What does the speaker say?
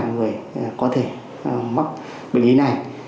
bốn người có thể mắc bệnh lý này